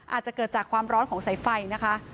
อาจจะเกิดจากความร้อนของสายไฟนะคะ